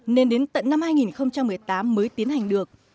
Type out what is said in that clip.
nên đến tận năm hai nghìn một mươi tám mới tiến hành được